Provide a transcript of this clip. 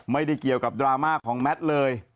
ไม่ได้เกี่ยวกับดราม่าของแมทเลย